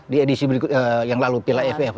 di edisi yang lalu pilihan fvf